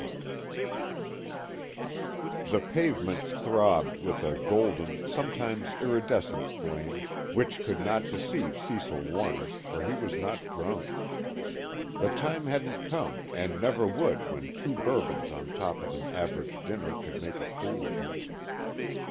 IV The pavements throbbed with a golden, sometimes iridescent flame, which could not deceive Cecil Warner, for he was not drunk. The time hadn't come and never would when two bourbons on top of an average dinner could make a fool of him.